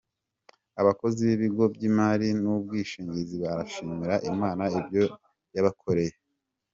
Abakozi b’ibigo by’imari n’ubwishingizi barashimira Imana ibyo yabakoreye